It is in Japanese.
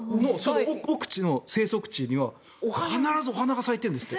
奥地の生息地には必ずお花が咲いてるんですって。